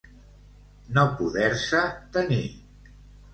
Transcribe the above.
No poder-se tenir.